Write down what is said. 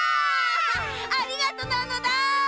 ありがとうなのだ！